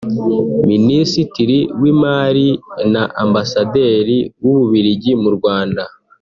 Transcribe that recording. Ministiri w’imari na Ambasaderi w’u Bubiligi mu Rwanda